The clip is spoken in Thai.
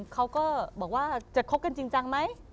เขาก็บอกว่าจะคบกันจริงจังไหม